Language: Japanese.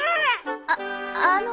あっあの。